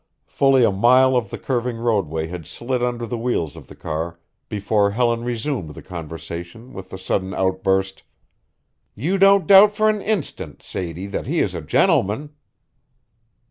Fully a mile of the curving roadway had slid under the wheels of the car before Helen resumed the conversation with the sudden outburst: "You don't doubt for an instant, Sadie, that he is a gentleman!"